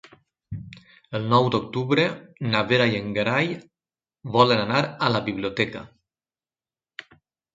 El nou d'octubre na Vera i en Gerai volen anar a la biblioteca.